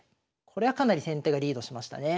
これはかなり先手がリードしましたね。